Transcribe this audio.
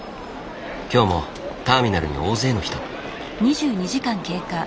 今日もターミナルに大勢の人。